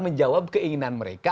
menjawab keinginan mereka